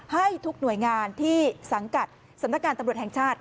ให้ทุกหน่วยงานที่สังกัดสำนักงานตำรวจแห่งชาติ